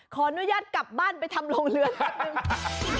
ขออนุญาตกลับบ้านไปทำโรงเรือนแป๊บหนึ่ง